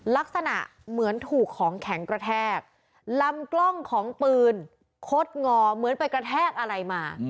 ลำกล้องของปืนคดงอเหมือนไปกระแทกอะไรมา